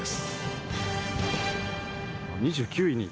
２９位に。